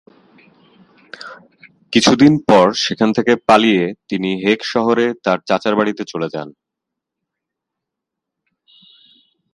কিছুদিন পর সেখান থেকে পালিয়ে তিনি হেগ শহরে তার চাচার বাড়িতে চলে যান।